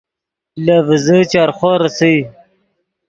لے ڤیزے چرخو ریسئے